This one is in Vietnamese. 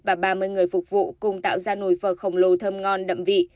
và ba mươi người phục vụ cùng tạo ra nồi phở khổng lồ thơm ngon đậm vị